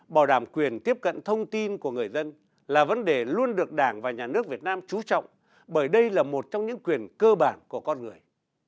bảo đảm quyền tiếp cận thông tin của người dân là vấn đề luôn được đảng và nhà nước việt nam trú trọng bởi đây là một trong những quyền cơ bản của con người